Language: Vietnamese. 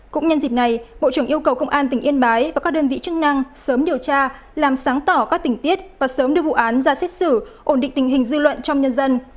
cũng nhân dịp này bộ trưởng yêu cầu công an tỉnh yên bái và các đơn vị chức năng sớm điều tra làm sáng tỏ các tình tiết và sớm đưa vụ án ra xét xử ổn định tình hình dư luận trong nhân dân